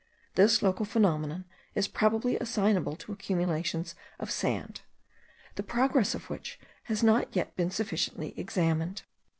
This local phenomenon is probably assignable to accumulations of sand, the progress of which has not yet been sufficiently examined.